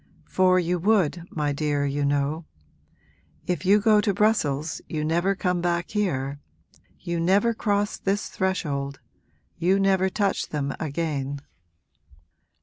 For you would, my dear, you know. If you go to Brussels you never come back here you never cross this threshold you never touch them again!'